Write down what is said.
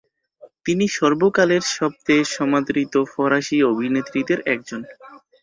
তিনি সর্বকালের সবচেয়ে সমাদৃত ফরাসি অভিনেত্রীদের একজন।